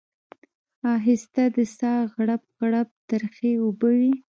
اخیسته د ساه غړپ غړپ ترخې اوبه وې